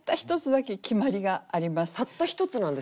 たったひとつなんですね？